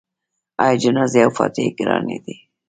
آیا جنازې او فاتحې ګرانې دي؟